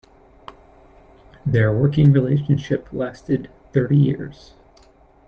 Their working relationship lasted thirty years.